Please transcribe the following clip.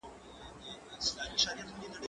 زه هره ورځ بوټونه پاکوم؟